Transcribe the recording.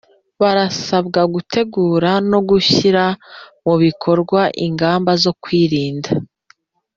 Barasabwa gutegura no gushyira mu bikorwa ingamba zo kwirinda